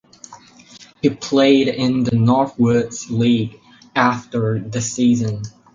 He played in the Northwoods League after the season.